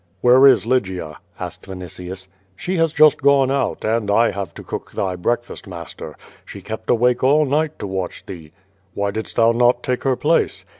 "Where is Lygia?'' asked Vinitius. "She has just gone out, and I have to cook thy breakfast, muster. She kept awake all night to watch thee/' "Why didst thou not take her place?''